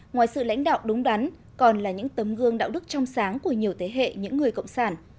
ngoài sự lãnh đạo đúng đắn còn là những tấm gương đạo đức trong sáng của nhiều thế hệ những người cộng sản